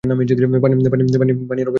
পানির অবস্থা প্রায়ই শান্ত।